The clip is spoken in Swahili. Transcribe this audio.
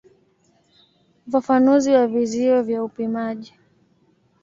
Ufafanuzi wa vizio vya upimaji.